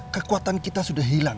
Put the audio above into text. kekuatan kita sudah hilang